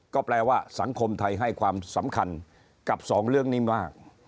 ก็แปลว่าสังคมไทยให้ความสำคัญกับสองเรื่องนี้มาก